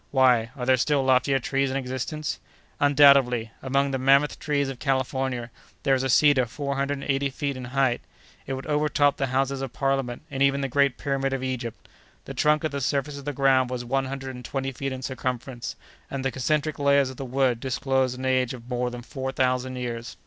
"Why, are there still loftier trees in existence?" "Undoubtedly; among the 'mammoth trees' of California, there is a cedar four hundred and eighty feet in height. It would overtop the Houses of Parliament, and even the Great Pyramid of Egypt. The trunk at the surface of the ground was one hundred and twenty feet in circumference, and the concentric layers of the wood disclosed an age of more than four thousand years."